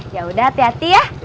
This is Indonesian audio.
ya udah hati hati ya